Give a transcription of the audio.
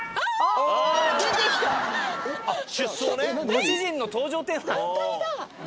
ご主人の登場テーマ。